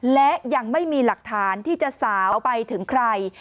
และยังไม่มีหลักฐานที่จะสาวไปถึงใคร